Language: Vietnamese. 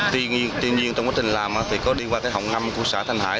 tuy nhiên trong quá trình làm thì có đi qua cái hậu ngâm của xã thanh hải